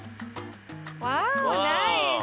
ワーオナイス！